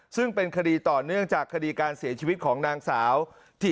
ซึ่งเป็นคดีต่อเนื่องจากคดีการเสียชีวิตของนางสาวที่